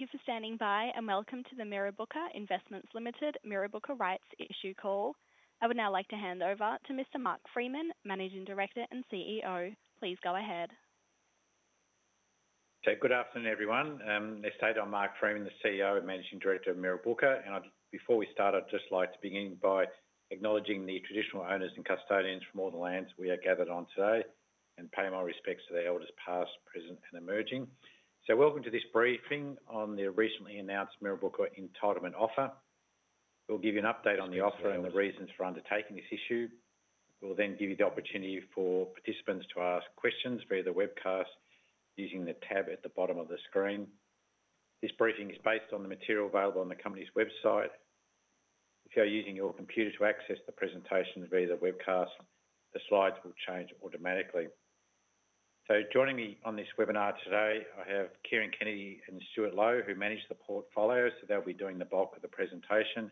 Thank you for standing by, and welcome to the Mirrabooka Investments Limited Mirrabooka Rights Issue Call. I would now like to hand over to Mr. Mark Freeman, Managing Director and CEO. Please go ahead. Okay, good afternoon, everyone. As stated, I'm Mark Freeman, the CEO and Managing Director of Mirrabooka, and before we start, I'd just like to begin by acknowledging the traditional owners and custodians from all the lands we are gathered on today and pay my respects to their elders past, present, and emerging. Welcome to this briefing on the recently announced Mirrabooka entitlement offer. We'll give you an update on the offer and the reasons for undertaking this issue. We'll then give you the opportunity for participants to ask questions via the webcast using the tab at the bottom of the screen. This briefing is based on the material available on the company's website. If you're using your computer to access the presentation via the webcast, the slides will change automatically. Joining me on this webinar today, I have Kieran Kennedy and Stuart Low, who manage the portfolios, so they'll be doing the bulk of the presentation.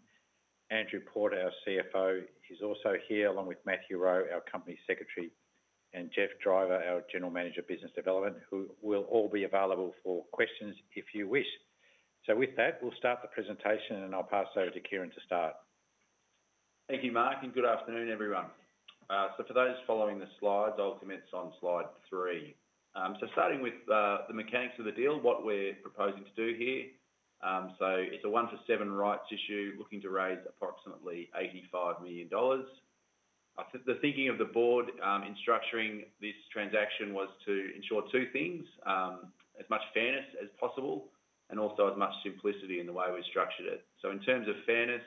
Andrew Porter, our CFO, is also here, along with Matthew Rowe, our Company Secretary, and Jeff Driver, our General Manager of Business Development, who will all be available for questions if you wish. With that, we'll start the presentation, and I'll pass over to Kieran to start. Thank you, Mark, and good afternoon, everyone. For those following the slides, I'll commence on slide three. Starting with the mechanics of the deal, what we're proposing to do here, it's a one-for-seven rights issue looking to raise approximately 85 million dollars. The thinking of the board in structuring this transaction was to ensure two things: as much fairness as possible and also as much simplicity in the way we structured it. In terms of fairness,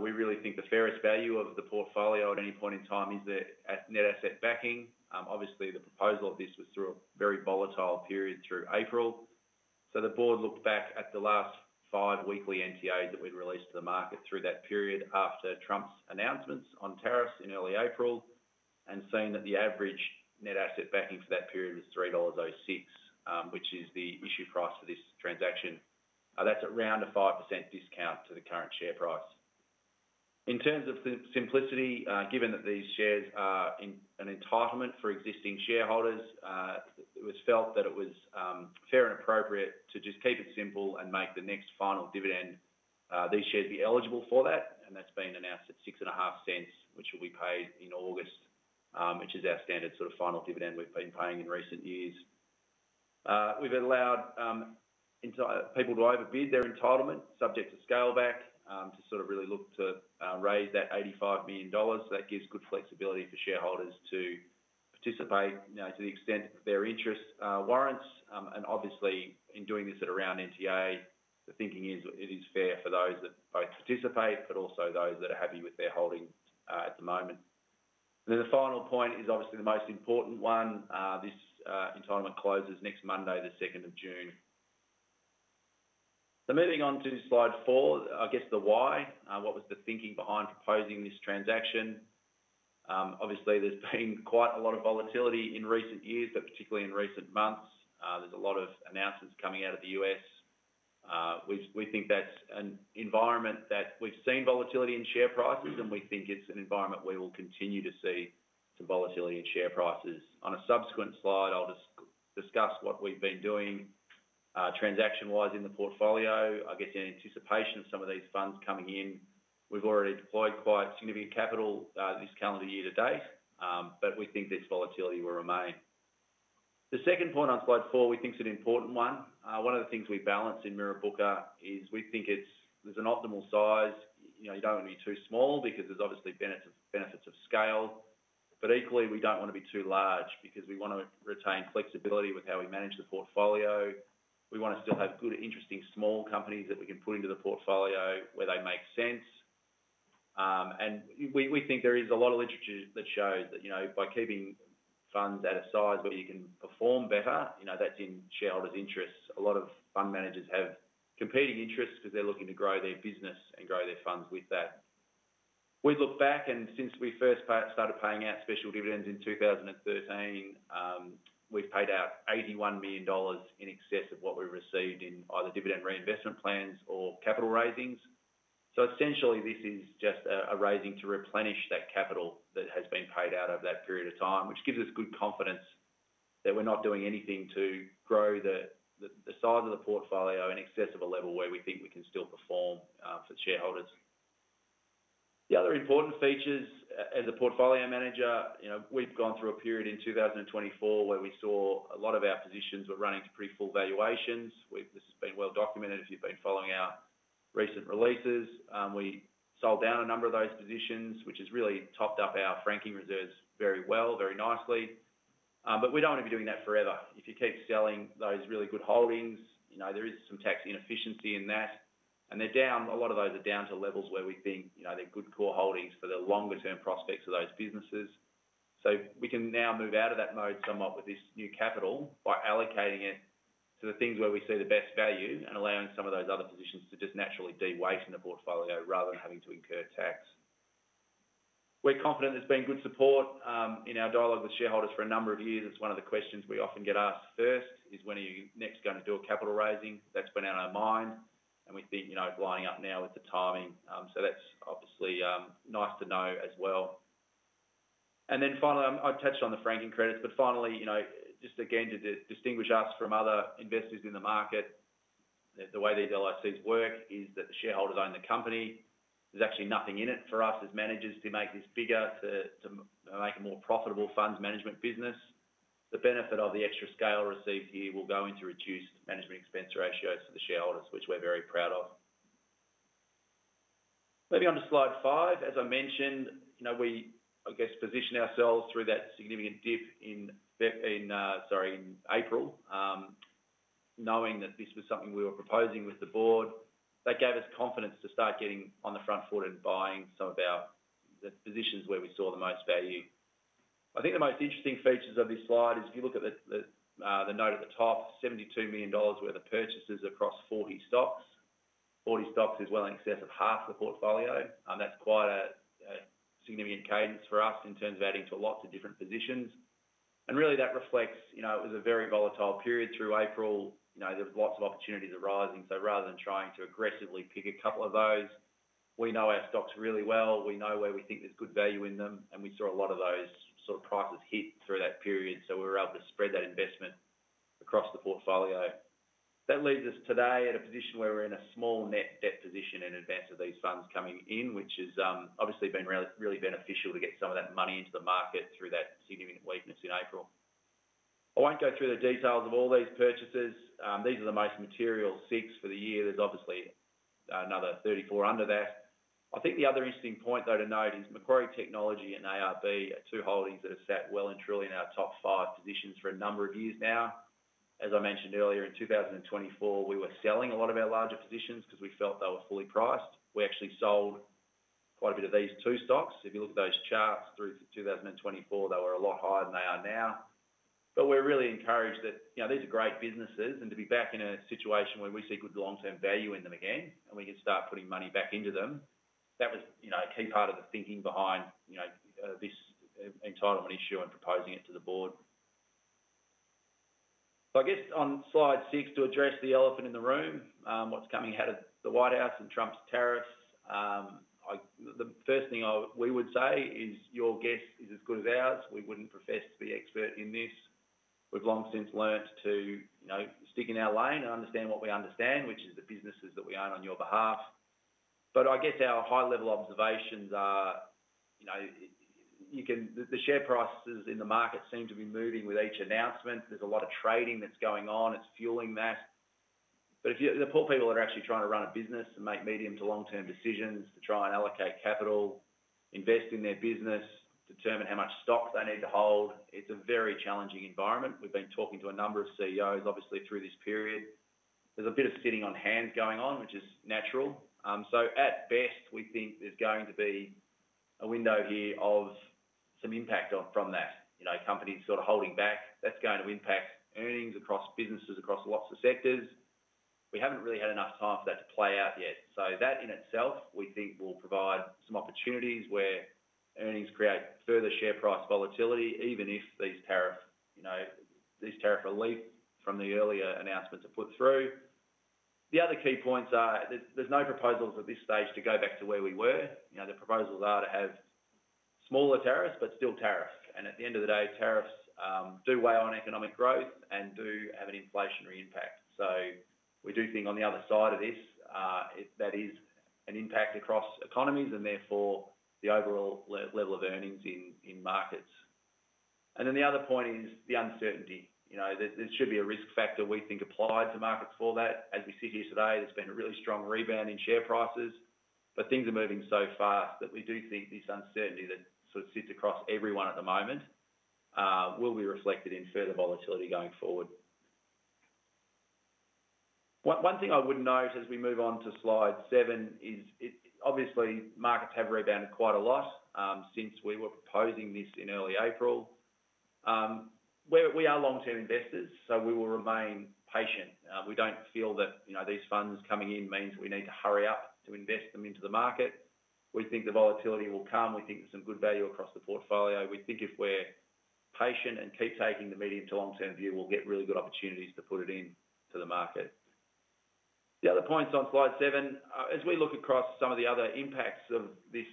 we really think the fairest value of the portfolio at any point in time is the net asset backing. Obviously, the proposal of this was through a very volatile period through April. The board looked back at the last five weekly NTAs that we'd released to the market through that period after Trump's announcements on tariffs in early April and seen that the average net asset backing for that period was 3.06, which is the issue price for this transaction. That's around a 5% discount to the current share price. In terms of simplicity, given that these shares are an entitlement for existing shareholders, it was felt that it was fair and appropriate to just keep it simple and make the next final dividend, these shares be eligible for that, and that's been announced at 0.065, which will be paid in August, which is our standard sort of final dividend we've been paying in recent years. We've allowed people to overbid their entitlement, subject to scale back, to sort of really look to raise that 85 million dollars. That gives good flexibility for shareholders to participate to the extent of their interest warrants. Obviously, in doing this at around NTA, the thinking is it is fair for those that both participate, but also those that are happy with their holdings at the moment. The final point is obviously the most important one. This entitlement closes next Monday, the 2nd of June. Moving on to slide four, I guess the why, what was the thinking behind proposing this transaction? Obviously, there has been quite a lot of volatility in recent years, but particularly in recent months. There are a lot of announcements coming out of the U.S. We think that is an environment where we have seen volatility in share prices, and we think it is an environment where we will continue to see some volatility in share prices. On a subsequent slide, I'll just discuss what we've been doing transaction-wise in the portfolio, I guess in anticipation of some of these funds coming in. We've already deployed quite significant capital this calendar year to date, but we think this volatility will remain. The second point on slide four, we think is an important one. One of the things we balance in Mirrabooka is we think there's an optimal size. You don't want to be too small because there's obviously benefits of scale, but equally, we don't want to be too large because we want to retain flexibility with how we manage the portfolio. We want to still have good, interesting small companies that we can put into the portfolio where they make sense. We think there is a lot of literature that shows that by keeping funds at a size where you can perform better, that's in shareholders' interests. A lot of fund managers have competing interests because they're looking to grow their business and grow their funds with that. We look back, and since we first started paying out special dividends in 2013, we've paid out 81 million dollars in excess of what we received in either dividend reinvestment plans or capital raisings. Essentially, this is just a raising to replenish that capital that has been paid out over that period of time, which gives us good confidence that we're not doing anything to grow the size of the portfolio in excess of a level where we think we can still perform for the shareholders. The other important features as a portfolio manager, we've gone through a period in 2024 where we saw a lot of our positions were running to pretty full valuations. This has been well documented if you've been following our recent releases. We sold down a number of those positions, which has really topped up our franking reserves very well, very nicely. We do not want to be doing that forever. If you keep selling those really good holdings, there is some tax inefficiency in that. A lot of those are down to levels where we think they're good core holdings for the longer-term prospects of those businesses. We can now move out of that mode somewhat with this new capital by allocating it to the things where we see the best value and allowing some of those other positions to just naturally deweight in the portfolio rather than having to incur tax. We're confident there's been good support in our dialogue with shareholders for a number of years. It's one of the questions we often get asked first is, "When are you next going to do a capital raising?" That's been on our mind, and we think lining up now with the timing. That's obviously nice to know as well. Finally, I touched on the franking credits, but finally, just again to distinguish us from other investors in the market, the way these LICs work is that the shareholders own the company. There's actually nothing in it for us as managers to make this bigger, to make a more profitable funds management business. The benefit of the extra scale received here will go into reduced management expense ratios for the shareholders, which we're very proud of. Moving on to slide five, as I mentioned, we, I guess, positioned ourselves through that significant dip in, sorry, in April, knowing that this was something we were proposing with the board. That gave us confidence to start getting on the front foot and buying some of the positions where we saw the most value. I think the most interesting features of this slide is if you look at the note at the top, AUD 72 million worth of purchases across 40 stocks. 40 stocks is well in excess of half the portfolio. That's quite a significant cadence for us in terms of adding to lots of different positions. That really reflects it was a very volatile period through April. There were lots of opportunities arising. Rather than trying to aggressively pick a couple of those, we know our stocks really well. We know where we think there's good value in them, and we saw a lot of those sort of prices hit through that period. We were able to spread that investment across the portfolio. That leads us today at a position where we're in a small net debt position in advance of these funds coming in, which has obviously been really beneficial to get some of that money into the market through that significant weakness in April. I won't go through the details of all these purchases. These are the most material six for the year. There's obviously another 34 under that. I think the other interesting point, though, to note is Macquarie Technology and ARB are two holdings that have sat well and truly in our top five positions for a number of years now. As I mentioned earlier, in 2024, we were selling a lot of our larger positions because we felt they were fully priced. We actually sold quite a bit of these two stocks. If you look at those charts through to 2024, they were a lot higher than they are now. We are really encouraged that these are great businesses and to be back in a situation where we see good long-term value in them again and we can start putting money back into them. That was a key part of the thinking behind this entitlement issue and proposing it to the board. I guess on slide six, to address the elephant in the room, what's coming out of the White House and Trump's tariffs, the first thing we would say is your guess is as good as ours. We wouldn't profess to be expert in this. We've long since learned to stick in our lane and understand what we understand, which is the businesses that we own on your behalf. I guess our high-level observations are the share prices in the market seem to be moving with each announcement. There's a lot of trading that's going on. It's fueling that. The poor people that are actually trying to run a business and make medium to long-term decisions to try and allocate capital, invest in their business, determine how much stock they need to hold, it's a very challenging environment. We've been talking to a number of CEOs, obviously, through this period. There's a bit of sitting on hands going on, which is natural. At best, we think there's going to be a window here of some impact from that. Companies sort of holding back, that's going to impact earnings across businesses, across lots of sectors. We haven't really had enough time for that to play out yet. That in itself, we think, will provide some opportunities where earnings create further share price volatility, even if these tariff relief from the earlier announcements are put through. The other key points are there's no proposals at this stage to go back to where we were. The proposals are to have smaller tariffs, but still tariffs. At the end of the day, tariffs do weigh on economic growth and do have an inflationary impact. We do think on the other side of this, that is an impact across economies and therefore the overall level of earnings in markets. The other point is the uncertainty. There should be a risk factor we think applied to markets for that. As we sit here today, there has been a really strong rebound in share prices, but things are moving so fast that we do think this uncertainty that sort of sits across everyone at the moment will be reflected in further volatility going forward. One thing I would note as we move on to slide seven is obviously markets have rebounded quite a lot since we were proposing this in early April. We are long-term investors, so we will remain patient. We do not feel that these funds coming in means we need to hurry up to invest them into the market. We think the volatility will come. We think there's some good value across the portfolio. We think if we're patient and keep taking the medium to long-term view, we'll get really good opportunities to put it into the market. The other points on slide seven, as we look across some of the other impacts of this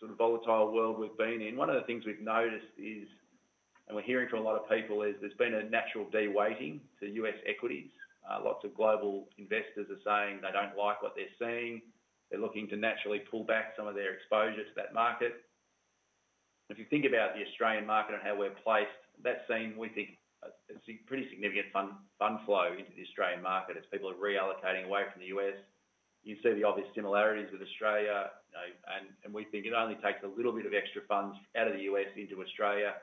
sort of volatile world we've been in, one of the things we've noticed is, and we're hearing from a lot of people, is there's been a natural deweighting to US equities. Lots of global investors are saying they don't like what they're seeing. They're looking to naturally pull back some of their exposure to that market. If you think about the Australian market and how we're placed, that's seen, we think, a pretty significant fund flow into the Australian market as people are reallocating away from the U.S. You see the obvious similarities with Australia, and we think it only takes a little bit of extra funds out of the U.S. into Australia,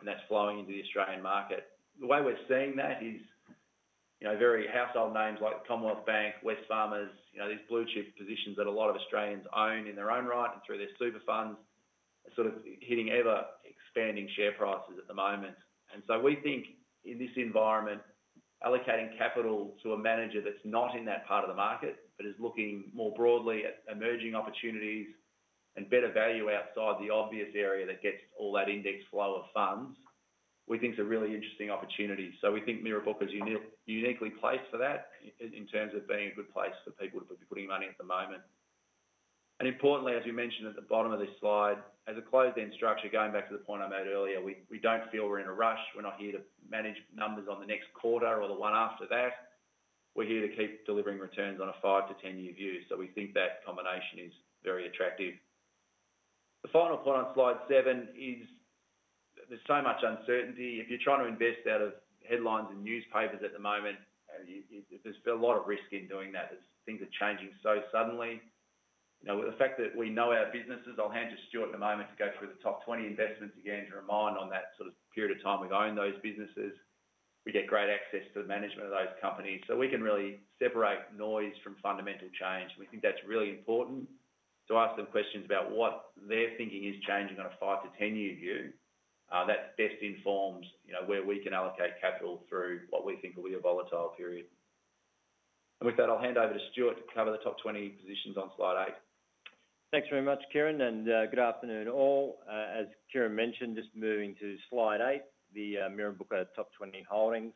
and that is flowing into the Australian market. The way we are seeing that is very household names like Commonwealth Bank, Wesfarmers, these blue-chip positions that a lot of Australians own in their own right and through their super funds are sort of hitting ever-expanding share prices at the moment. We think in this environment, allocating capital to a manager that is not in that part of the market, but is looking more broadly at emerging opportunities and better value outside the obvious area that gets all that index flow of funds, is a really interesting opportunity. We think Mirrabooka is uniquely placed for that in terms of being a good place for people to be putting money at the moment. Importantly, as we mentioned at the bottom of this slide, as a closed-end structure, going back to the point I made earlier, we do not feel we are in a rush. We are not here to manage numbers on the next quarter or the one after that. We are here to keep delivering returns on a five- to ten-year view. We think that combination is very attractive. The final point on slide seven is there is so much uncertainty. If you are trying to invest out of headlines and newspapers at the moment, there is a lot of risk in doing that. Things are changing so suddenly. The fact that we know our businesses, I will hand you to Stuart in a moment to go through the top 20 investments again to remind on that sort of period of time we have owned those businesses. We get great access to the management of those companies. We can really separate noise from fundamental change. We think that's really important to ask them questions about what their thinking is changing on a five to 10-year view. That best informs where we can allocate capital through what we think will be a volatile period. With that, I'll hand over to Stuart to cover the top 20 positions on slide eight. Thanks very much, Kieran, and good afternoon all. As Kieran mentioned, just moving to slide eight, the Mirrabooka top 20 holdings.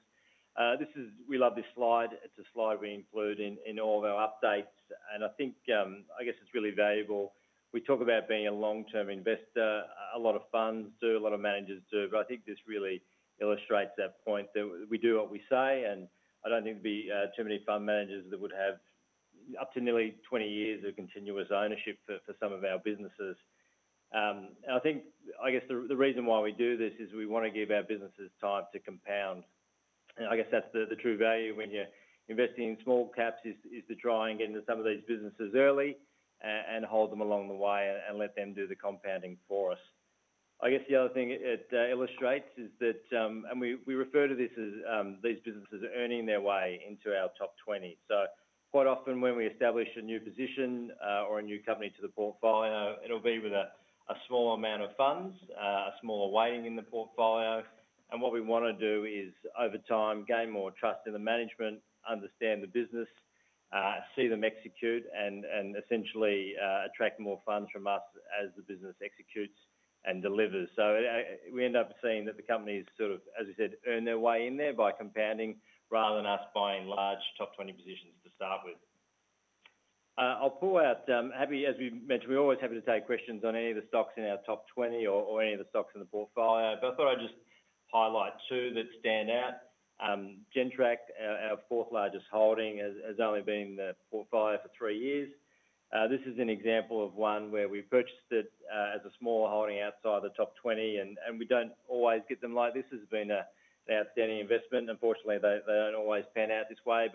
We love this slide. It's a slide we include in all of our updates. I guess it's really valuable. We talk about being a long-term investor. A lot of funds do, a lot of managers do, but I think this really illustrates that point that we do what we say. I don't think there'd be too many fund managers that would have up to nearly 20 years of continuous ownership for some of our businesses. I guess the reason why we do this is we want to give our businesses time to compound. I guess that's the true value when you're investing in small caps is to try and get into some of these businesses early and hold them along the way and let them do the compounding for us. I guess the other thing it illustrates is that, and we refer to this as these businesses earning their way into our top 20. Quite often when we establish a new position or a new company to the portfolio, it'll be with a smaller amount of funds, a smaller weighting in the portfolio. What we want to do is over time gain more trust in the management, understand the business, see them execute, and essentially attract more funds from us as the business executes and delivers. We end up seeing that the companies sort of, as we said, earn their way in there by compounding rather than us buying large top 20 positions to start with. I'll pull out, as we mentioned, we're always happy to take questions on any of the stocks in our top 20 or any of the stocks in the portfolio. I thought I'd just highlight two that stand out. Gentrack Group, our fourth largest holding, has only been in the portfolio for three years. This is an example of one where we purchased it as a small holding outside the top 20, and we don't always get them like this. This has been an outstanding investment. Unfortunately, they don't always pan out this way.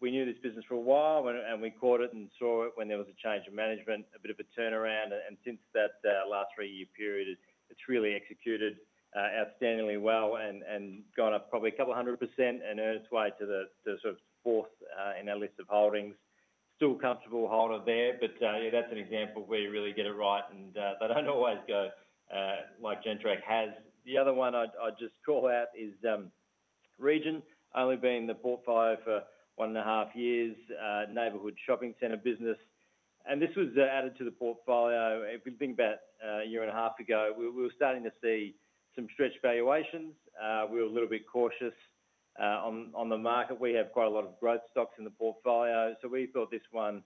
We knew this business for a while, and we caught it and saw it when there was a change of management, a bit of a turnaround. Since that last three-year period, it's really executed outstandingly well and gone up probably a couple of hundred percent and earned its way to sort of fourth in our list of holdings. Still a comfortable holder there, but that's an example where you really get it right, and they don't always go like Gentrack has. The other one I'd just call out is Region, only been in the portfolio for one and a half years, neighborhood shopping center business. This was added to the portfolio if you think about a year and a half ago. We were starting to see some stretched valuations. We were a little bit cautious on the market. We have quite a lot of growth stocks in the portfolio. We thought this one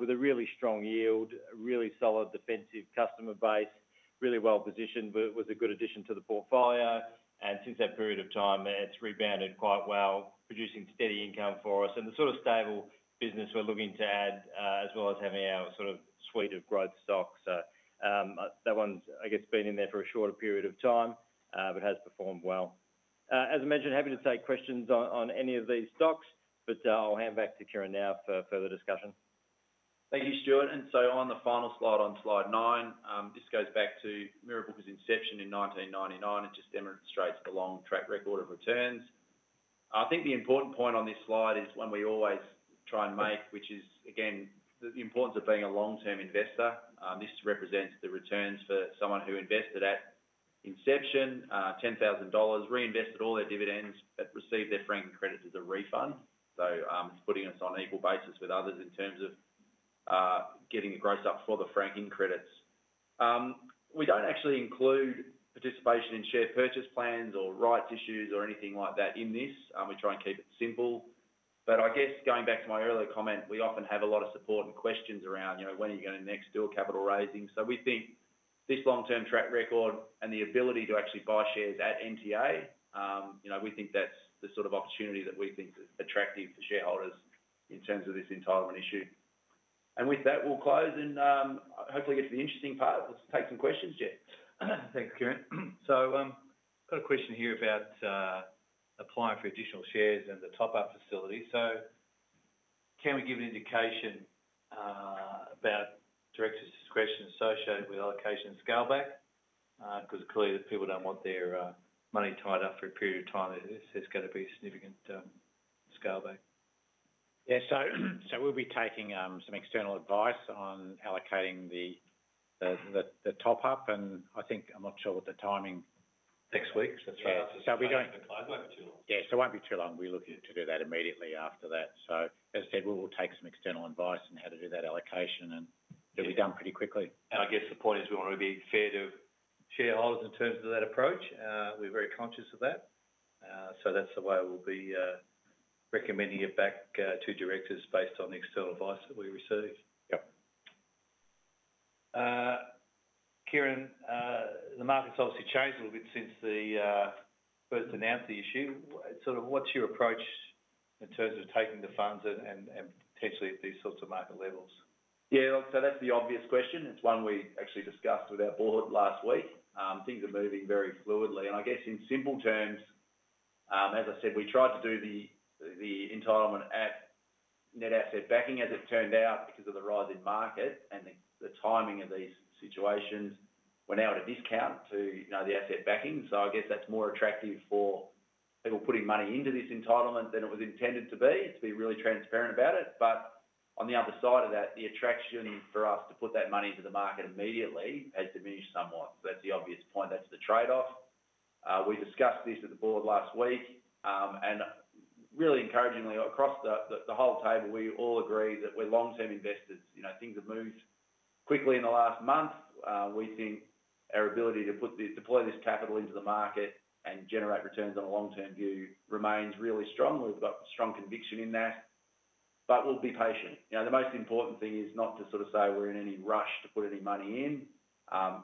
with a really strong yield, really solid defensive customer base, really well positioned, was a good addition to the portfolio. Since that period of time, it has rebounded quite well, producing steady income for us. The sort of stable business we are looking to add as well as having our sort of suite of growth stocks. That one has, I guess, been in there for a shorter period of time, but has performed well. As I mentioned, happy to take questions on any of these stocks, but I will hand back to Kieran now for further discussion. Thank you, Stuart. On the final slide on slide nine, this goes back to Mirrabooka's inception in 1999. It just demonstrates the long track record of returns. I think the important point on this slide is one we always try and make, which is, again, the importance of being a long-term investor. This represents the returns for someone who invested at inception, 10,000 dollars, reinvested all their dividends, but received their franking credits as a refund. It is putting us on an equal basis with others in terms of getting the gross up for the franking credits. We do not actually include participation in share purchase plans or rights issues or anything like that in this. We try and keep it simple. I guess going back to my earlier comment, we often have a lot of support and questions around when are you going to next do a capital raising. We think this long-term track record and the ability to actually buy shares at NTA, we think that's the sort of opportunity that we think is attractive for shareholders in terms of this entitlement issue. With that, we'll close and hopefully get to the interesting part. Let's take some questions, Jaye. Thanks, Kieran. I've got a question here about applying for additional shares and the top-up facility. Can we give an indication about directors' discretion associated with allocation scale-back? Because clearly, people do not want their money tied up for a period of time. There has got to be significant scale-back. Yeah. We'll be taking some external advice on allocating the top-up. I think, I'm not sure what the timing is. Next week. We do not. Yeah. It will not be too long. Yeah. It will not be too long. We're looking to do that immediately after that. As I said, we will take some external advice on how to do that allocation, and it'll be done pretty quickly. I guess the point is we want to be fair to shareholders in terms of that approach. We're very conscious of that. That's the way we'll be recommending it back to directors based on the external advice that we receive. Yep. Kieran, the market's obviously changed a little bit since the first announcement issue. Sort of what's your approach in terms of taking the funds and potentially at these sorts of market levels? Yeah. That's the obvious question. It's one we actually discussed with our board last week. Things are moving very fluidly. I guess in simple terms, as I said, we tried to do the entitlement at net asset backing. As it turned out, because of the rising market and the timing of these situations, we're now at a discount to the asset backing. I guess that's more attractive for people putting money into this entitlement than it was intended to be, to be really transparent about it. On the other side of that, the attraction for us to put that money into the market immediately has diminished somewhat. That's the obvious point. That's the trade-off. We discussed this at the board last week. Really encouragingly, across the whole table, we all agree that we're long-term investors. Things have moved quickly in the last month. We think our ability to deploy this capital into the market and generate returns on a long-term view remains really strong. We've got strong conviction in that. We'll be patient. The most important thing is not to sort of say we're in any rush to put any money in.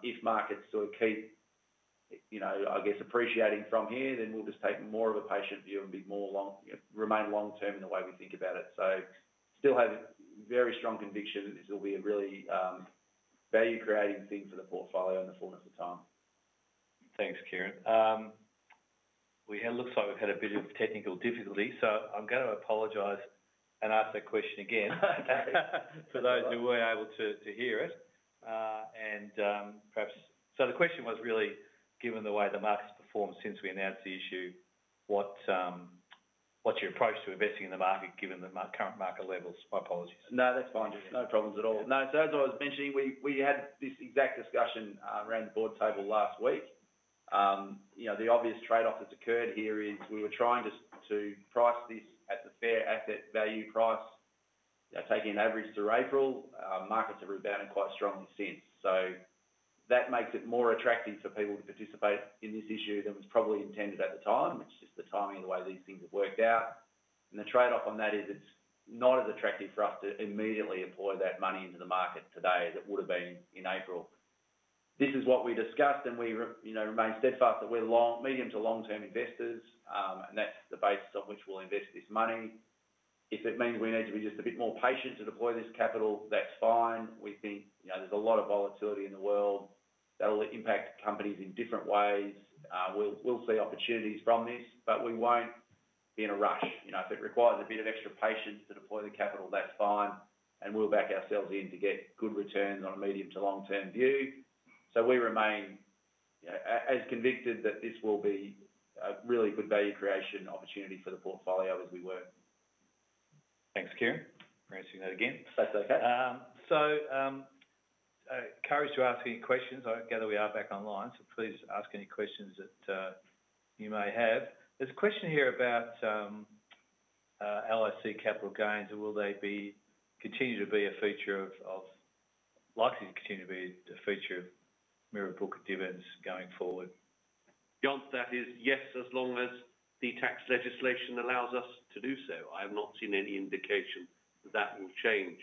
If markets sort of keep, I guess, appreciating from here, then we'll just take more of a patient view and remain long-term in the way we think about it. Still have very strong conviction that this will be a really value-creating thing for the portfolio in the fullness of time. Thanks, Kieran. It looks like we've had a bit of technical difficulty. I'm going to apologize and ask that question again for those who weren't able to hear it. Perhaps the question was really, given the way the market's performed since we announced the issue, what's your approach to investing in the market given the current market levels? My apologies. No, that's fine. No problems at all. No. As I was mentioning, we had this exact discussion around the board table last week. The obvious trade-off that's occurred here is we were trying to price this at the fair asset value price, taking an average through April. Markets have rebounded quite strongly since. That makes it more attractive for people to participate in this issue than was probably intended at the time. It's just the timing of the way these things have worked out. The trade-off on that is it's not as attractive for us to immediately employ that money into the market today as it would have been in April. This is what we discussed, and we remain steadfast that we're medium to long-term investors, and that's the basis on which we'll invest this money. If it means we need to be just a bit more patient to deploy this capital, that's fine. We think there's a lot of volatility in the world that will impact companies in different ways. We'll see opportunities from this, but we won't be in a rush. If it requires a bit of extra patience to deploy the capital, that's fine. We'll back ourselves in to get good returns on a medium to long-term view. We remain as convicted that this will be a really good value creation opportunity for the portfolio as we were. Thanks, Kieran. Appreciate that again. That's okay. I encourage you to ask any questions. I gather we are back online, so please ask any questions that you may have. There's a question here about LIC capital gains. Will they continue to be a feature or likely to continue to be a feature of Mirrabooka dividends going forward? The answer to that is yes, as long as the tax legislation allows us to do so. I have not seen any indication that that will change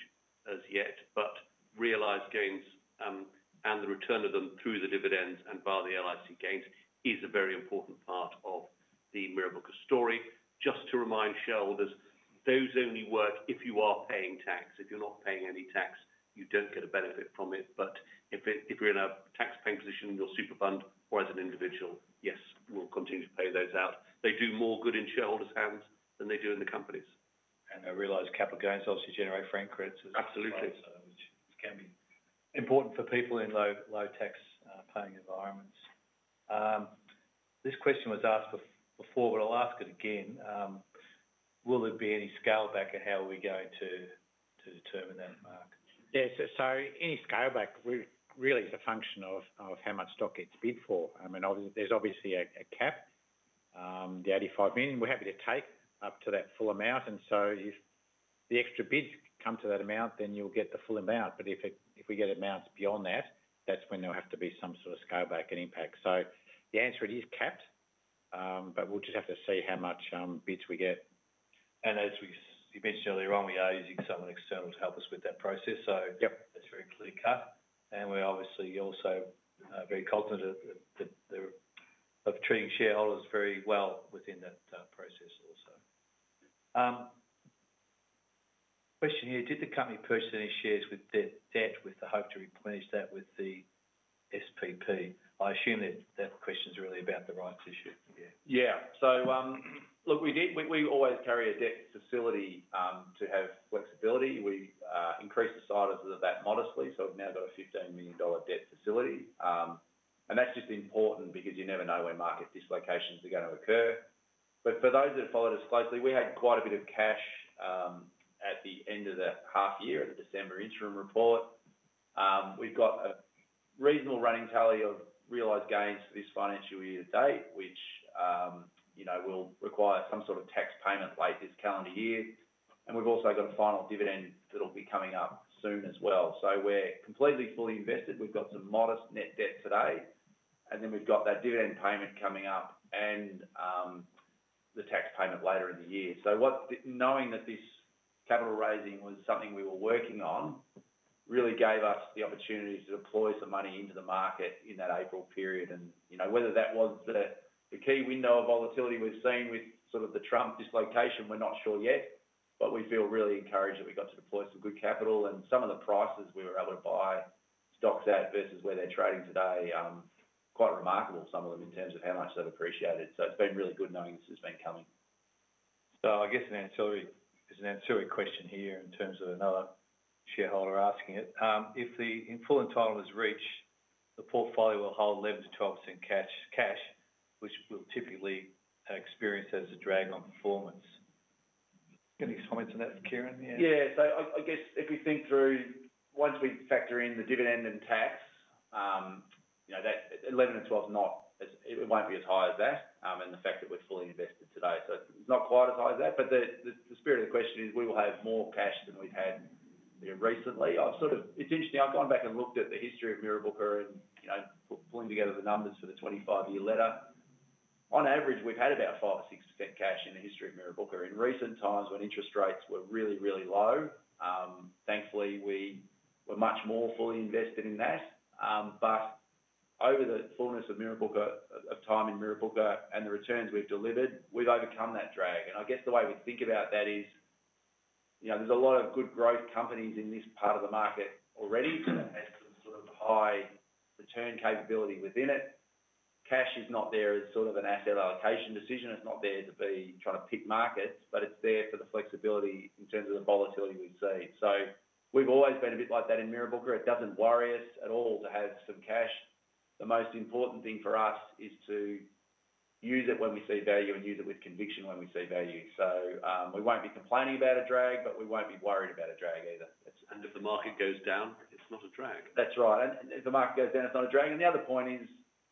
as yet. Realized gains and the return of them through the dividends and via the LIC gains is a very important part of the Mirrabooka story. Just to remind shareholders, those only work if you are paying tax. If you're not paying any tax, you don't get a benefit from it. If you're in a taxpaying position, your superfund, or as an individual, yes, we'll continue to pay those out. They do more good in shareholders' hands than they do in the companies. Realized capital gains obviously generate franking credits as well. Absolutely. Which can be important for people in low-tax paying environments. This question was asked before, but I'll ask it again. Will there be any scale-back, and how are we going to determine that, Mark? Yeah. So any scale-back really is a function of how much stock gets bid for. I mean, there's obviously a cap, the 85 million. We're happy to take up to that full amount. If the extra bids come to that amount, then you'll get the full amount. If we get amounts beyond that, that's when there'll have to be some sort of scale-back and impact. The answer is capped, but we'll just have to see how much bids we get. As we mentioned earlier on, we are using someone external to help us with that process. That's very clear-cut. We're obviously also very cognitive of treating shareholders very well within that process also. Question here. Did the company purchase any shares with debt with the hope to replenish that with the SPP? I assume that that question's really about the rights issue. Yeah. Yeah. Look, we always carry a debt facility to have flexibility. We increased the size of that modestly. We have now got an 15 million dollar debt facility. That is just important because you never know when market dislocations are going to occur. For those that have followed us closely, we had quite a bit of cash at the end of the half year of the December interim report. We have got a reasonable running tally of realized gains for this financial year to date, which will require some sort of tax payment late this calendar year. We have also got a final dividend that will be coming up soon as well. We are completely fully invested. We've got some modest net debt today. Then we've got that dividend payment coming up and the tax payment later in the year. Knowing that this capital raising was something we were working on really gave us the opportunity to deploy some money into the market in that April period. Whether that was the key window of volatility we've seen with sort of the Trump dislocation, we're not sure yet. We feel really encouraged that we got to deploy some good capital. Some of the prices we were able to buy stocks at versus where they're trading today, quite remarkable, some of them in terms of how much they've appreciated. It's been really good knowing this has been coming. I guess an ancillary question here in terms of another shareholder asking it. If the full entitlement is reached, the portfolio will hold 11-12% cash, which will typically experience as a drag on performance. Any comments on that, Kieran? Yeah. So I guess if you think through, once we factor in the dividend and tax, 11 and 12 is not it won't be as high as that and the fact that we're fully invested today. So it's not quite as high as that. The spirit of the question is we will have more cash than we've had recently. It's interesting. I've gone back and looked at the history of Mirrabooka and pulling together the numbers for the 25-year letter. On average, we've had about 5% or 6% cash in the history of Mirrabooka. In recent times when interest rates were really, really low, thankfully we were much more fully invested in that. Over the fullness of Mirrabooka, of time in Mirrabooka and the returns we've delivered, we've overcome that drag. I guess the way we think about that is there's a lot of good growth companies in this part of the market already that has some sort of high return capability within it. Cash is not there as sort of an asset allocation decision. It's not there to be trying to pick markets, but it's there for the flexibility in terms of the volatility we've seen. We've always been a bit like that in Mirrabooka. It doesn't worry us at all to have some cash. The most important thing for us is to use it when we see value and use it with conviction when we see value. We won't be complaining about a drag, but we won't be worried about a drag either. If the market goes down, it's not a drag. That's right. If the market goes down, it's not a drag. The other point is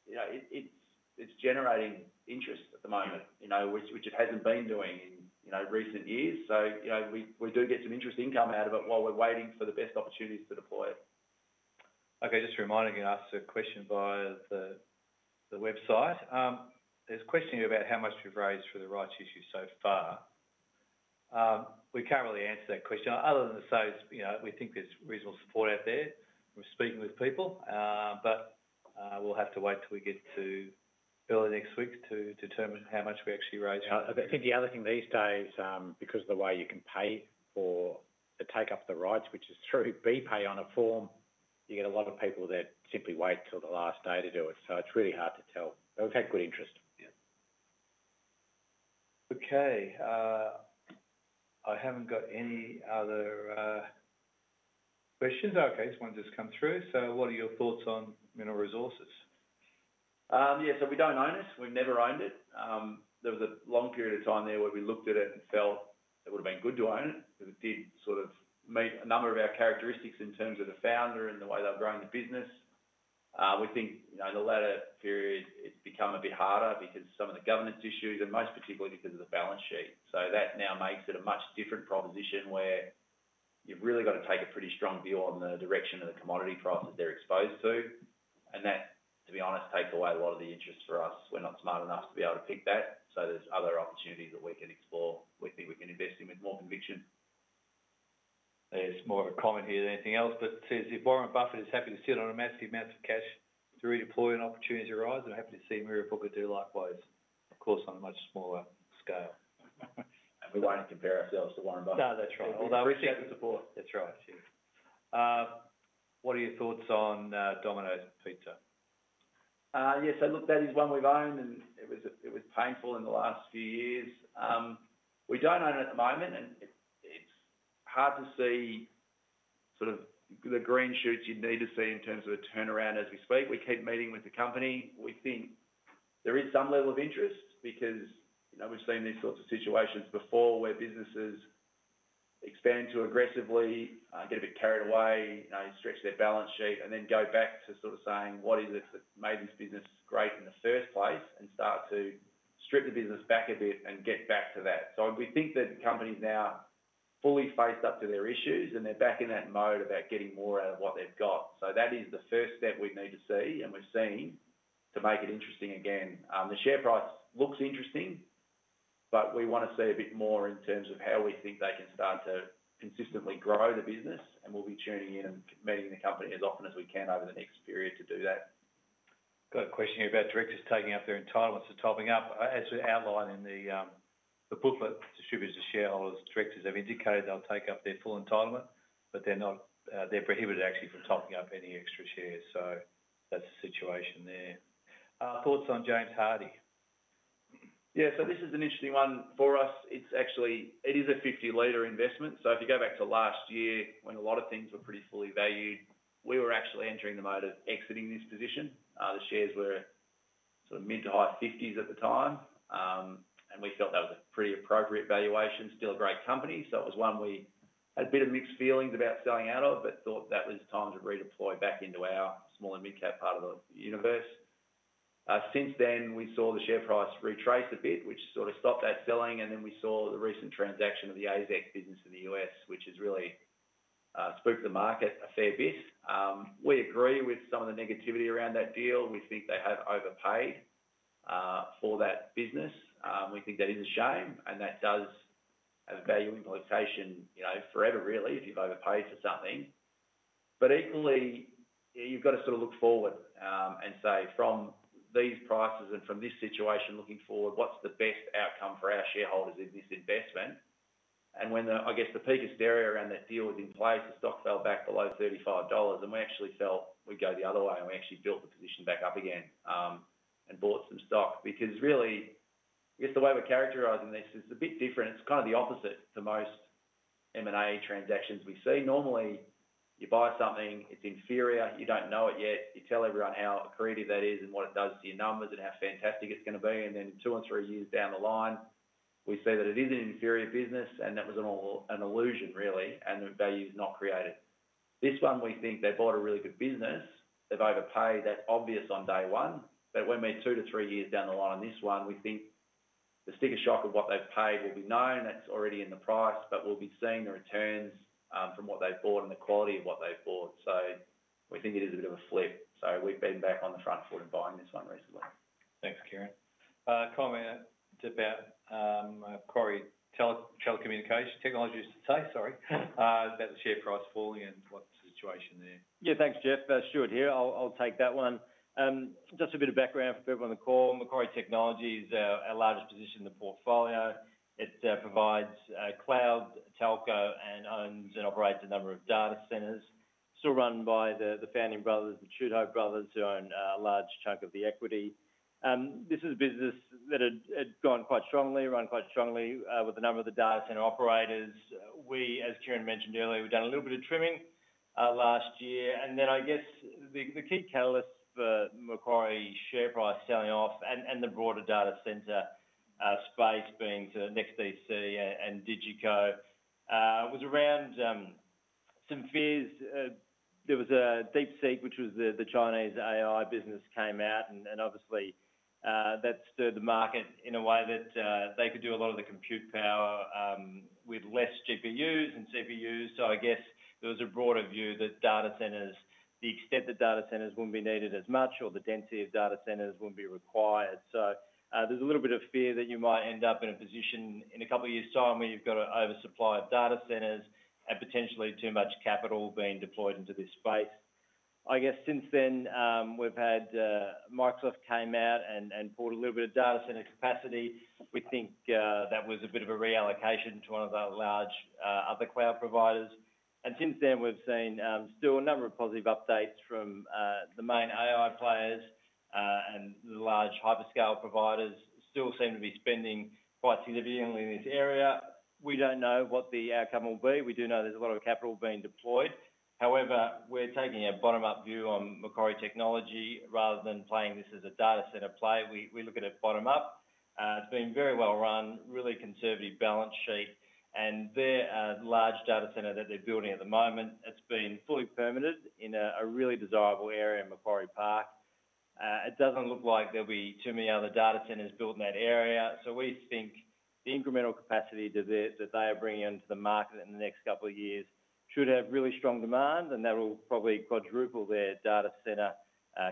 it's generating interest at the moment, which it hasn't been doing in recent years. We do get some interest income out of it while we're waiting for the best opportunities to deploy it. Okay. Just reminding you asked a question via the website. There's a question here about how much we've raised for the rights issue so far. We can't really answer that question other than to say we think there's reasonable support out there. We're speaking with people. We'll have to wait till we get to early next week to determine how much we actually raised. I think the other thing these days, because of the way you can pay for the take-up of the rights, which is through BPAY on a form, you get a lot of people that simply wait till the last day to do it. It is really hard to tell. We have had good interest. Yeah. Okay. I have not got any other questions. Okay. This one just came through. What are your thoughts on Mineral Resources? Yeah. We do not own it. We have never owned it. There was a long period of time there where we looked at it and felt it would have been good to own it because it did sort of meet a number of our characteristics in terms of the founder and the way they are growing the business. We think in the latter period, it's become a bit harder because of some of the governance issues and most particularly because of the balance sheet. That now makes it a much different proposition where you've really got to take a pretty strong view on the direction of the commodity prices they're exposed to. That, to be honest, takes away a lot of the interest for us. We're not smart enough to be able to pick that. There are other opportunities that we can explore. We think we can invest in with more conviction. There's more of a comment here than anything else, but it says if Warren Buffett is happy to sit on a massive amount of cash to redeploy when an opportunity arises, we're happy to see Mirrabooka do likewise, of course, on a much smaller scale. We won't compare ourselves to Warren Buffett. We'll accept the support. That's right. Yeah. What are your thoughts on Domino's Pizza? Yeah. Look, that is one we've owned, and it was painful in the last few years. We don't own it at the moment, and it's hard to see sort of the green shoots you'd need to see in terms of a turnaround as we speak. We keep meeting with the company. We think there is some level of interest because we've seen these sorts of situations before where businesses expand too aggressively, get a bit carried away, stretch their balance sheet, and then go back to sort of saying, "What is it that made this business great in the first place?" and start to strip the business back a bit and get back to that. We think that the company's now fully faced up to their issues, and they're back in that mode about getting more out of what they've got. That is the first step we need to see and we've seen to make it interesting again. The share price looks interesting, but we want to see a bit more in terms of how we think they can start to consistently grow the business. We'll be tuning in and meeting the company as often as we can over the next period to do that. Got a question here about directors taking up their entitlements for topping up. As we outline in the booklet, distributors and shareholders, directors have indicated they'll take up their full entitlement, but they're prohibited actually from topping up any extra shares. That's the situation there. Thoughts on James Hardie? Yeah. This is an interesting one for us. It is a 50-leader investment. If you go back to last year when a lot of things were pretty fully valued, we were actually entering the mode of exiting this position. The shares were sort of mid to high 50s at the time, and we felt that was a pretty appropriate valuation. Still a great company. It was one we had a bit of mixed feelings about selling out of, but thought that was time to redeploy back into our small and mid-cap part of the universe. Since then, we saw the share price retrace a bit, which sort of stopped that selling. We saw the recent transaction of the ASX business in the US, which has really spooked the market a fair bit. We agree with some of the negativity around that deal. We think they have overpaid for that business. We think that is a shame, and that does have a value implication forever, really, if you've overpaid for something. Equally, you've got to sort of look forward and say, "From these prices and from this situation looking forward, what's the best outcome for our shareholders in this investment?" When I guess the peak hysteria around that deal was in place, the stock fell back below 35 dollars, and we actually felt we'd go the other way. We actually built the position back up again and bought some stock because really, I guess the way we're characterizing this is a bit different. It's kind of the opposite to most M&A transactions we see. Normally, you buy something, it's inferior, you don't know it yet. You tell everyone how accredited that is and what it does to your numbers and how fantastic it's going to be. Then two or three years down the line, we see that it is an inferior business, and that was an illusion, really, and the value's not created. This one, we think they bought a really good business. They've overpaid. That's obvious on day one. When we're two to three years down the line on this one, we think the sticker shock of what they've paid will be known. That's already in the price, but we'll be seeing the returns from what they've bought and the quality of what they've bought. We think it is a bit of a flip. We've been back on the front foot in buying this one recently. Thanks, Kieran. Comment about Macquarie Technology Group today, sorry, about the share price falling and what's the situation there? Yeah. Thanks, Jeff. Stuart here. I'll take that one. Just a bit of background for people on the call. Macquarie Technology is our largest position in the portfolio. It provides cloud, telco, and owns and operates a number of data centers, still run by the founding brothers, the Chudleigh brothers, who own a large chunk of the equity. This is a business that had gone quite strongly, run quite strongly with a number of the data center operators. We, as Kieran mentioned earlier, we've done a little bit of trimming last year. I guess the key catalyst for Macquarie share price selling off and the broader data center space being to NEXTDC and DiGiCo was around some fears. There was a DeepSeek, which was the Chinese AI business, came out, and obviously that stirred the market in a way that they could do a lot of the compute power with less GPUs and CPUs. I guess there was a broader view that data centers, to the extent that data centers, would not be needed as much or the density of data centers would not be required. There is a little bit of fear that you might end up in a position in a couple of years' time where you have an oversupply of data centers and potentially too much capital being deployed into this space. I guess since then we have had Microsoft come out and buy a little bit of data center capacity. We think that was a bit of a reallocation to one of the large other cloud providers. Since then we've seen still a number of positive updates from the main AI players, and the large hyperscale providers still seem to be spending quite significantly in this area. We don't know what the outcome will be. We do know there's a lot of capital being deployed. However, we're taking a bottom-up view on Macquarie Technology rather than playing this as a data center play. We look at it bottom-up. It's been very well run, really conservative balance sheet. Their large data center that they're building at the moment has been fully permitted in a really desirable area in Macquarie Park. It doesn't look like there will be too many other data centers built in that area. We think the incremental capacity that they are bringing into the market in the next couple of years should have really strong demand, and that will probably quadruple their data center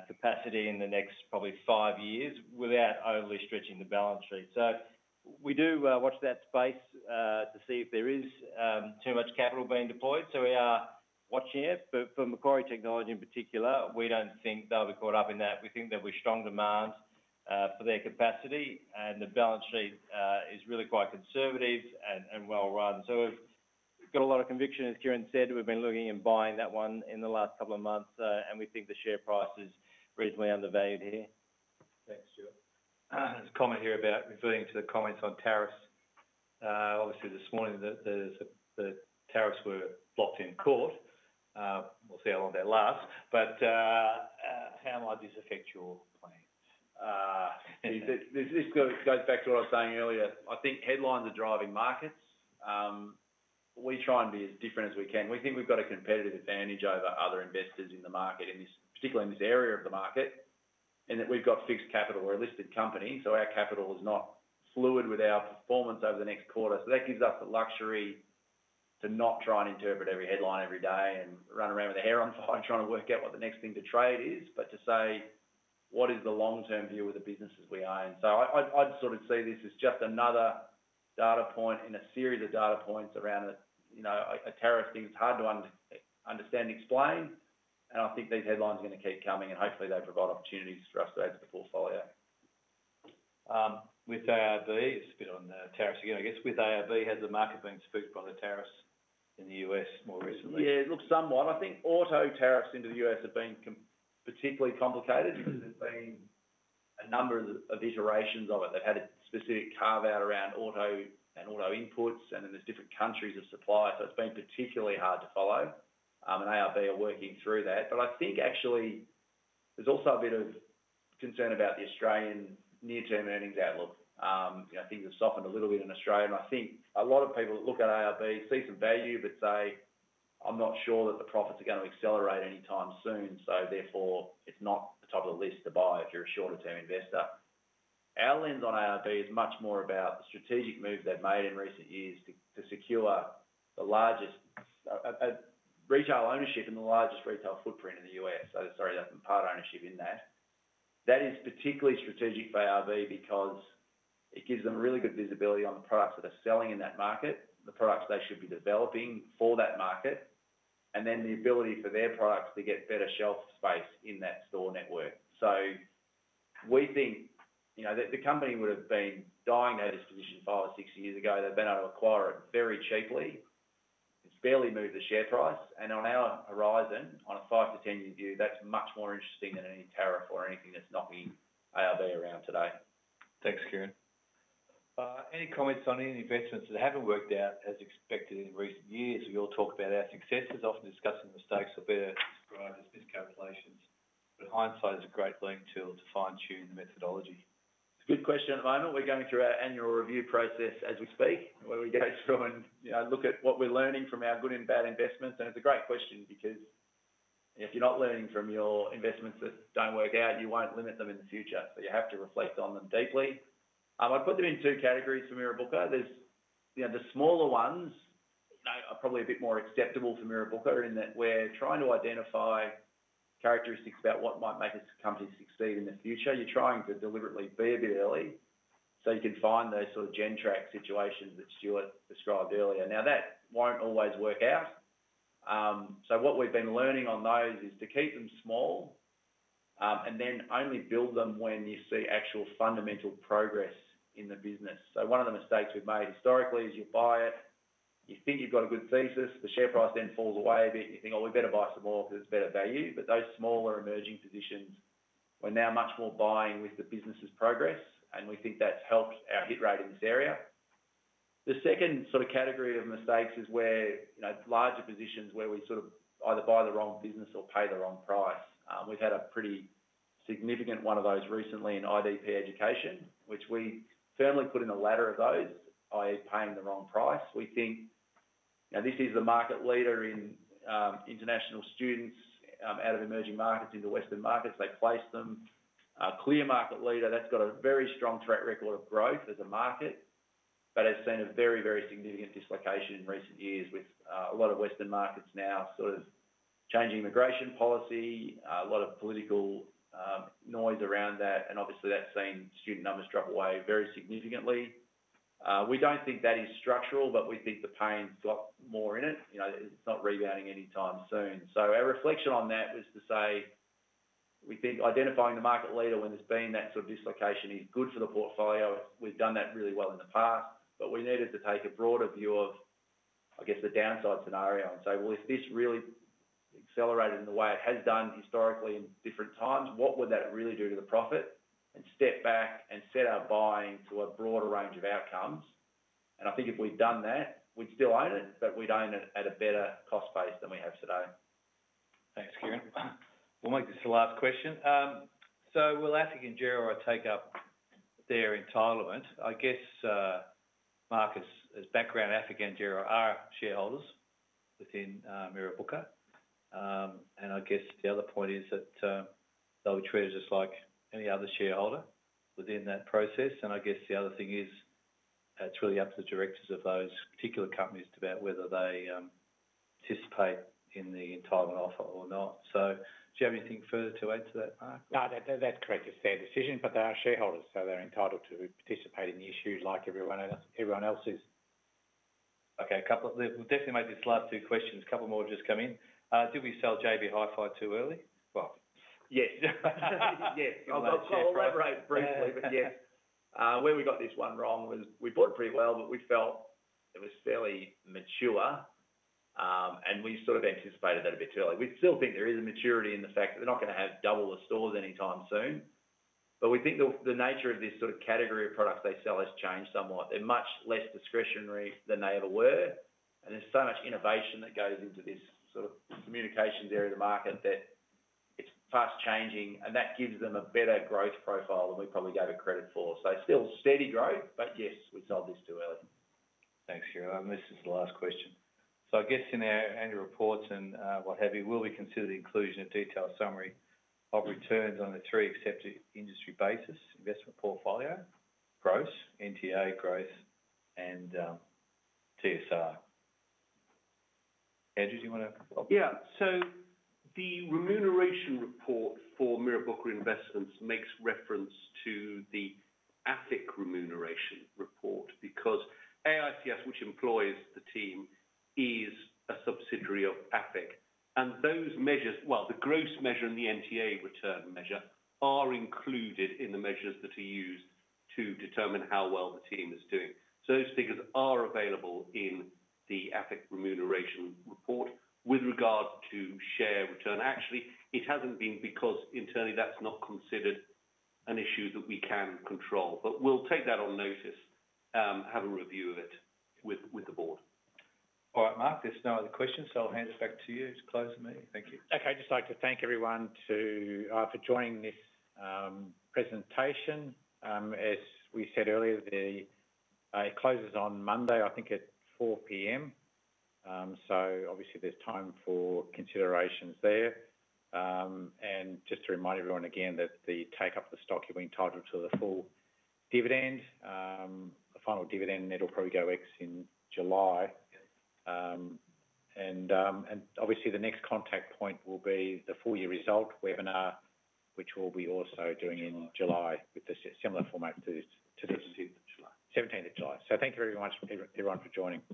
capacity in the next probably five years without overly stretching the balance sheet. We do watch that space to see if there is too much capital being deployed. We are watching it. For Macquarie Technology in particular, we do not think they will be caught up in that. We think there will be strong demand for their capacity, and the balance sheet is really quite conservative and well run. We have got a lot of conviction, as Kieran said. We have been looking and buying that one in the last couple of months, and we think the share price is reasonably undervalued here. Thanks, Stuart. There is a comment here about referring to the comments on tariffs. Obviously, this morning the tariffs were blocked in court. We'll see how long that lasts. How might this affect your plans? This goes back to what I was saying earlier. I think headlines are driving markets. We try and be as different as we can. We think we've got a competitive advantage over other investors in the market, particularly in this area of the market, in that we've got fixed capital. We're a listed company, so our capital is not fluid with our performance over the next quarter. That gives us the luxury to not try and interpret every headline every day and run around with our hair on fire trying to work out what the next thing to trade is, but to say, "What is the long-term view of the businesses we own?" I'd sort of see this as just another data point in a series of data points around a tariff thing that's hard to understand and explain. I think these headlines are going to keep coming, and hopefully they provide opportunities for us to add to the portfolio. With ARB, it's a bit on the tariffs again. I guess with ARB, has the market been spooked by the tariffs in the U.S. more recently? Yeah. It looks somewhat. I think auto tariffs into the U.S. have been particularly complicated because there's been a number of iterations of it. They've had a specific carve-out around auto and auto inputs, and then there's different countries of supply. It's been particularly hard to follow, and ARB are working through that. I think actually there's also a bit of concern about the Australian near-term earnings outlook. Things have softened a little bit in Australia. I think a lot of people that look at ARB see some value, but say, "I'm not sure that the profits are going to accelerate anytime soon." Therefore, it's not the top of the list to buy if you're a shorter-term investor. Our lens on ARB is much more about the strategic moves they've made in recent years to secure the largest retail ownership and the largest retail footprint in the U.S. Sorry, that part ownership in that. That is particularly strategic for ARB because it gives them really good visibility on the products that are selling in that market, the products they should be developing for that market, and then the ability for their products to get better shelf space in that store network. We think the company would have been dying at this position five or six years ago. They've been able to acquire it very cheaply. It's barely moved the share price. On our horizon, on a five to 10-year view, that's much more interesting than any tariff or anything that's knocking ARB around today. Thanks, Kieran. Any comments on any investments that haven't worked out as expected in recent years? We all talk about our successes, often discussing the mistakes or better described as miscalculations. Hindsight is a great learning tool to fine-tune the methodology. It's a good question at the moment. We're going through our annual review process as we speak, where we go through and look at what we're learning from our good and bad investments. It's a great question because if you're not learning from your investments that don't work out, you won't limit them in the future. You have to reflect on them deeply. I'd put them in two categories for Mirrabooka. The smaller ones are probably a bit more acceptable for Mirrabooka in that we're trying to identify characteristics about what might make this company succeed in the future. You're trying to deliberately be a bit early so you can find those sort of Gentrack situations that Stuart described earlier. That won't always work out. What we've been learning on those is to keep them small and then only build them when you see actual fundamental progress in the business. One of the mistakes we've made historically is you buy it, you think you've got a good thesis, the share price then falls away a bit. You think, "Oh, we better buy some more because it's better value." Those smaller emerging positions, we're now much more buying with the business's progress, and we think that's helped our hit rate in this area. The second sort of category of mistakes is where larger positions where we sort of either buy the wrong business or pay the wrong price. We've had a pretty significant one of those recently in IDP Education, which we firmly put in the latter of those, i.e., paying the wrong price. We think this is the market leader in international students out of emerging markets into Western markets. They placed them. Clear market leader. That has got a very strong track record of growth as a market, but has seen a very, very significant dislocation in recent years with a lot of Western markets now sort of changing immigration policy, a lot of political noise around that. Obviously, that has seen student numbers drop away very significantly. We do not think that is structural, but we think the pain has got more in it. It is not rebounding anytime soon. Our reflection on that was to say we think identifying the market leader when there has been that sort of dislocation is good for the portfolio. We've done that really well in the past, but we needed to take a broader view of, I guess, the downside scenario and say, "Well, if this really accelerated in the way it has done historically in different times, what would that really do to the profit?" and step back and set our buying to a broader range of outcomes. I think if we'd done that, we'd still own it, but we'd own it at a better cost base than we have today. Thanks, Kieran. We'll make this the last question. Will Atlassian Jira take up their entitlement? I guess, Mark, as background, Atlassian Jira are shareholders within Mirrabooka. I guess the other point is that they'll be treated just like any other shareholder within that process. I guess the other thing is it's really up to the directors of those particular companies about whether they participate in the entitlement offer or not. Do you have anything further to add to that, Mark? No, that's correct. It's their decision, but they are shareholders, so they're entitled to participate in the issue like everyone else is. Okay. We'll definitely make this the last two questions. A couple more have just come in. Did we sell JB Hi-Fi too early? Yes. Yes. I'll elaborate briefly, but yes. Where we got this one wrong was we bought it pretty well, but we felt it was fairly mature, and we sort of anticipated that a bit too early. We still think there is a maturity in the fact that they're not going to have double the stores anytime soon. We think the nature of this sort of category of products they sell has changed somewhat. They're much less discretionary than they ever were. There's so much innovation that goes into this sort of communications area of the market that it's fast changing, and that gives them a better growth profile than we probably gave it credit for. Still steady growth, but yes, we sold this too early. Thanks, Kieran. This is the last question. I guess in our annual reports and what have you, will we consider the inclusion of detailed summary of returns on a three-accepted industry basis investment portfolio? Gross, NTA gross, and TSI. Andrew, do you want to? Yeah. The remuneration report for Mirrabooka Investments makes reference to the AFIC remuneration report because AFIC, which employs the team, is a subsidiary of AFIC. Those measures, the gross measure and the NTA return measure, are included in the measures that are used to determine how well the team is doing. Those figures are available in the AFIC remuneration report with regard to share return. Actually, it has not been because internally that is not considered an issue that we can control. We will take that on notice, have a review of it with the board. All right, Mark. There are no other questions, so I will hand it back to you to close the meeting. Thank you. I would just like to thank everyone for joining this presentation. As we said earlier, it closes on Monday, I think, at 4:00 P.M. There is time for considerations there. Just to remind everyone again that the take-up of the stock, you will be entitled to the full dividend, the final dividend. It'll probably go ex in July. Obviously, the next contact point will be the full-year result webinar, which we'll be also doing in July with a similar format to this. 17th of July. 17th of July. Thank you very much, everyone, for joining.